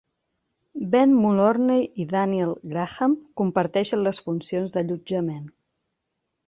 Ben Mulroney i Danielle Graham comparteixen les funcions d'allotjament.